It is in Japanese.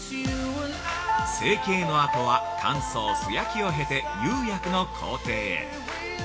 ◆成形のあとは乾燥、素焼きをへて釉薬の工程へ。